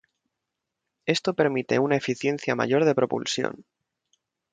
Esto permite una eficiencia mayor de propulsión.